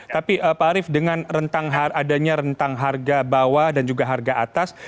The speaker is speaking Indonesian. tapi pak arief dengan adanya rentang harga bawah dan juga harga atas